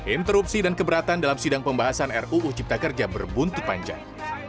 interupsi dan keberatan dalam sidang pembahasan ruu cipta kerja berbuntu panjang